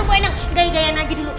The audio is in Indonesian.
gue enak gaya gaya naji dulu